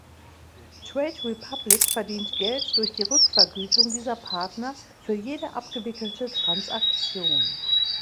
Trade Republic verdient Geld durch die Rückvergütung dieser Partner für jede abgewickelte Transaktion.